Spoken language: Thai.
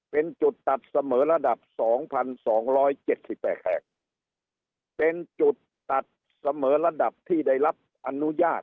เป็นจุดตัดเสมอระดับสองพันสองร้อยเจ็ดสิบแปดแห่งเป็นจุดตัดเสมอระดับที่ได้รับอนุญาต